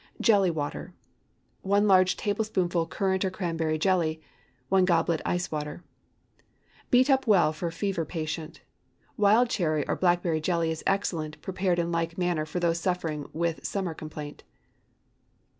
JELLY WATER. ✠ 1 large teaspoonful currant or cranberry jelly. 1 goblet ice water. Beat up well for a fever patient. Wild cherry or blackberry jelly is excellent, prepared in like manner for those suffering with summer complaint.